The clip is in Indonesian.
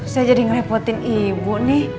saya jadi ngerepotin ibu nih